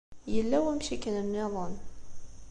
Yella wamek akken nniḍen.